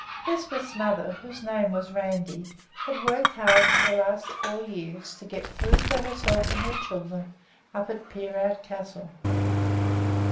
Lisbeth's mother, whose name was Randi, had worked hard for the last four years to get food for herself and her children up at Peerout Castle.